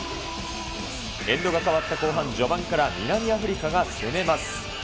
エンドが変わった後半、序盤から南アフリカが攻めます。